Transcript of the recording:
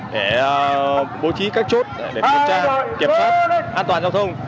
để bố trí các chốt để kiểm soát an toàn giao thông